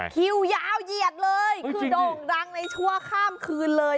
คิวยาวเหยียดเลยคือโด่งดังในชั่วข้ามคืนเลย